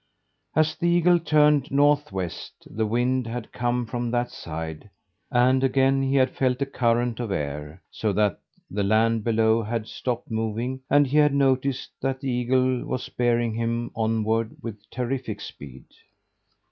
As the eagle turned northwest, the wind had come from that side, and again he had felt a current of air, so that the land below had stopped moving and he had noticed that the eagle was bearing him onward with terrific speed.